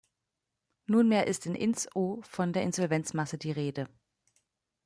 Nunmehr ist in InsO von der Insolvenzmasse die Rede.